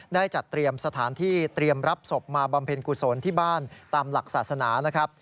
ได้จัดเตรียมสถานที่เตรียมรับศพมาบำเพ็ญกุศลที่บ้านตามหลักศาสนานะครับ